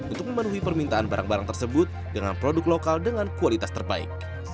untuk memenuhi permintaan barang barang tersebut dengan produk lokal dengan kualitas terbaik